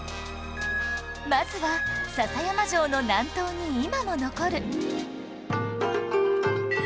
まずは篠山城の南東に今も残る